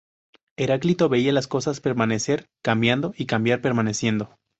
Heráclito veía a las cosas permanecer cambiando y cambiar permaneciendo.